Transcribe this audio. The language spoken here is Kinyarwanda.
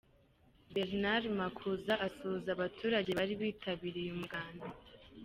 Bernard Makuza asuhuza abaturage bari bitabiriye umuganda.